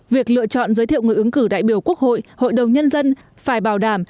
việc lựa chọn giới thiệu người ứng cử đại biểu quốc hội hội đồng nhân dân phải bảo đảm